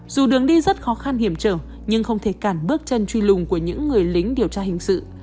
dù đường đi rất khó khăn hiểm trở nhưng không thể cản bước chân truy lùng của những người lính điều tra hình sự